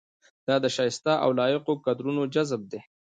دا د شایسته او لایقو کادرونو جذب دی.